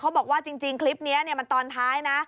บอกว่าจริงคลิปนี้มันตอนท้ายนะ